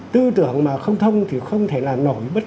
tư tưởng mà không thông thì không thể làm nổi bệnh